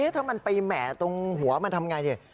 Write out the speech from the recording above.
ถ้ามันไปแหมะตรงหัวมันทำไงดิ